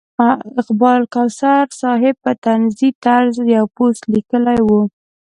اقبال کوثر صاحب په طنزي طرز یو پوسټ لیکلی و.